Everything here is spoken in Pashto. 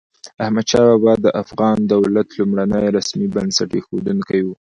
احمد شاه بابا د افغان دولت لومړنی رسمي بنسټ اېښودونکی و.